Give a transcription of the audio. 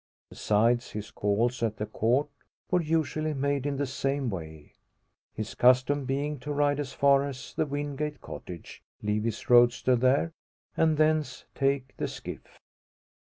Besides, his calls at the Court were usually made in the same way; his custom being to ride as far as the Wingate cottage, leave his roadster there, and thence take the skiff.